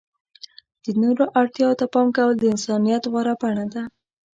د نورو اړتیاوو ته پام کول د انسانیت غوره بڼه ده.